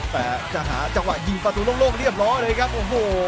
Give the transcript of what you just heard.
แต่จะหาจังหวะยิงประตูโล่งเรียบร้อยเลยครับโอ้โห